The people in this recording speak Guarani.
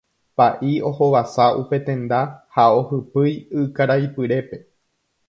Pa'i ohovasa upe tenda ha ohypýi ykaraipyrépe.